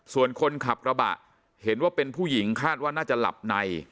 ส่วนคนขับกระบะเห็นว่าเป็นผู้หญิงคาดว่าน่าจะหลับใน